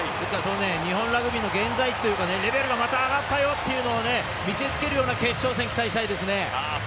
日本ラグビーの現在地というか、レベルがまた上がったよというのを見せつけるような決勝戦、期待したいですね。